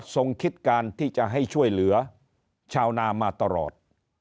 คิดการที่จะให้ช่วยเหลือชาวนามาตลอด